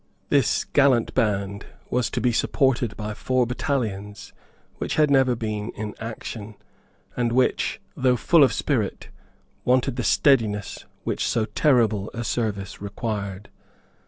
This gallant band was to be supported by four battalions which had never been in action, and which, though full of spirit, wanted the steadiness which so terrible a service required.